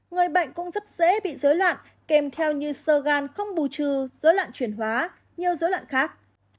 người bệnh cũng rất dễ bị dối loạn kèm theo như sơ gan không bù trừ dối loạn chuyển hóa nhiều dối loạn khác